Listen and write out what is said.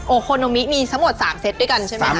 โคโนมิมีทั้งหมด๓เซตด้วยกันใช่ไหมคะ